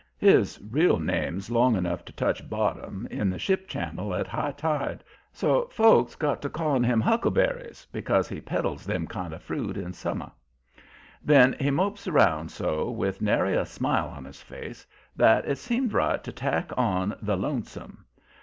His real name's long enough to touch bottom in the ship channel at high tide, so folks got to calling him "Huckleberries" because he peddles them kind of fruit in summer. Then he mopes around so with nary a smile on his face, that it seemed right to tack on the "Lonesome."